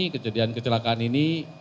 kejadian kecelakaan ini